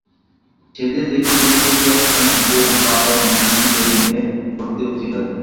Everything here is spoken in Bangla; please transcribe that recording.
সেদিন দেখি কোথা থেকে একখানা গো-পালন জুটিয়ে নিয়ে পড়তে বসে গেছেন।